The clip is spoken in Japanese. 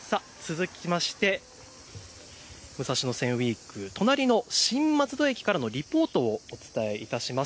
続きまして武蔵野線ウイーク、隣の新松戸駅からのリポートをお伝えします。